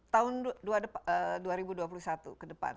tahun dua ribu dua puluh satu ke depan